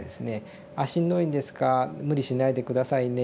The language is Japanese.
「しんどいんですか無理しないで下さいね